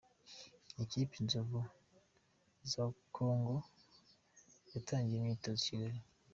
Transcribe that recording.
Ikipe inzovu za kongo yatangiye imyitozo i Kigali